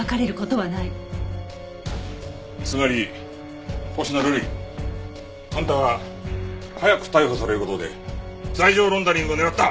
つまり星名瑠璃あんたは早く逮捕される事で罪状ロンダリングを狙った。